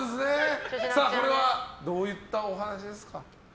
これはどういったお話ですか？